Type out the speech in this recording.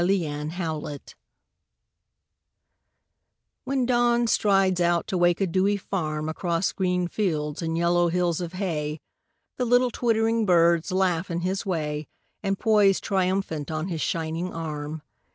Alarm Clocks When Dawn strides out to wake a dewy farm Across green fields and yellow hills of hay The little twittering birds laugh in his way And poise triumphant on his shining arm.